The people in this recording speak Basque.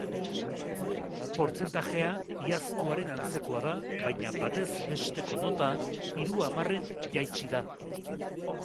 Portzentajea iazkoaren antzekoa da, baina batez besteko nota hiru hamarren jaitsi da.